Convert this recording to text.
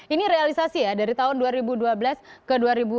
ini realisasi ya dari tahun dua ribu dua belas ke dua ribu dua puluh